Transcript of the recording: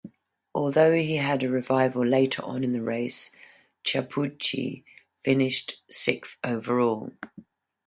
Although he had a revival later on in the race, Chiappucci finished sixth overall.